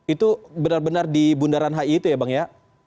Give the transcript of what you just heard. itu benar benar di bundaran hi itu ya bang ya